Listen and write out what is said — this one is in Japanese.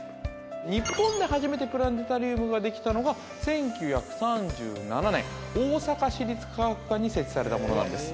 日本で初めてプラネタリウムができたのが１９３７年大阪市立科学館に設置されたものなんです